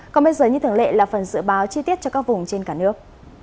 còn bây giờ như thường lệ là phần dự báo chi tiết cho các vùng trên cả nước